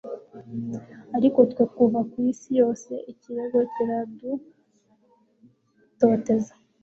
Ariko twe kuva kwisi yose ikirego kiradutoteza